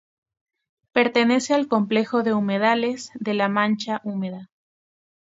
Pertenece al complejo de humedales de la Mancha húmeda.